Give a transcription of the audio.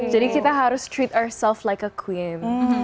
jadi kita harus melayan diri kita sendiri seperti perempuan